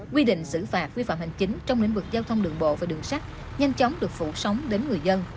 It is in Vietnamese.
quy định xử phạt vi phạm hành chính trong lĩnh vực giao thông đường bộ và đường sắt nhanh chóng được phủ sóng đến người dân